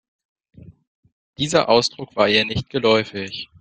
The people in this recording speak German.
Dieser Ausdruck war ihr nicht geläufig.